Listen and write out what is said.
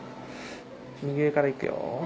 右上から行くよ。